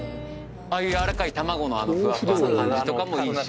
ああいう軟らかい卵のふわふわの感じとかもいいし。